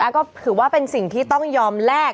ก็ถือว่าเป็นสิ่งที่ต้องยอมแลก